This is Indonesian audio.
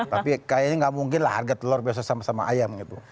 tapi kayaknya nggak mungkin lah harga telur biasa sama sama ayam gitu